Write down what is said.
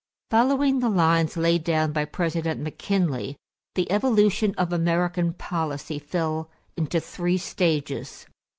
Following the lines laid down by President McKinley, the evolution of American policy fell into three stages.